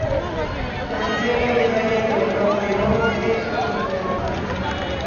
Recibió la Medalla de Honor de Oro de Viena.